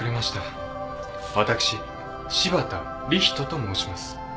私柴田理人と申します。